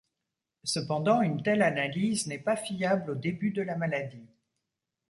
Cependant, une telle analyse n'est pas fiable au début de la maladie.